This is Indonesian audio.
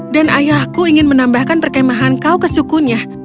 dan ayahku ingin menambahkan perkemahan kau ke sukunya